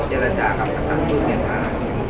เจรจากับสัตว์คุณเนี่ยมาก